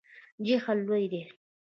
جهیل لوی دی